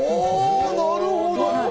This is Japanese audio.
なるほど。